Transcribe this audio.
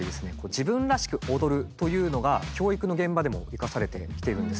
自分らしく踊るというのが教育の現場でも生かされてきているんです。